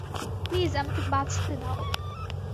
Please আমাকে বাঁচতে দাও।